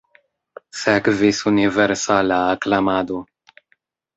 Sekvis universala aklamado.